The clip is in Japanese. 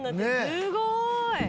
すごい！」